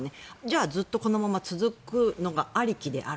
じゃあずっとこのまま続くのがありきである。